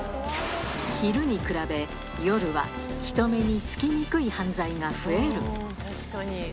昼に比べ、夜は人目につきにくい犯罪が増える。